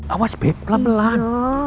awas beb pelan pelan